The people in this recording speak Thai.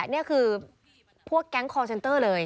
นั่นแหละนี่คือพวกแก๊งค์คอร์เซ็นเตอร์เลย